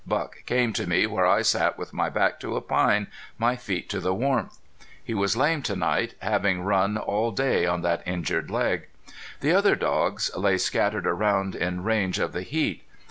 Buck came to me where I sat with my back to a pine, my feet to the warmth. He was lame to night, having run all day on that injured leg. The other dogs lay scattered around in range of the heat.